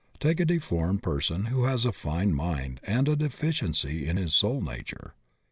Take a deformed person who has a fine mind and a deficiency in his soul nature.